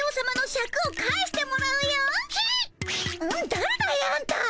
だれだいあんた。